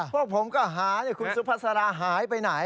พวกผมก็หาคุณสุภาษาราหายไปไหน